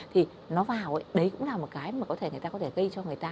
thì nó vào ấy đấy cũng là một cái mà người ta có thể gây cho người ta